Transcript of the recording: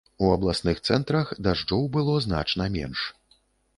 У абласных цэнтрах дажджоў было значна менш.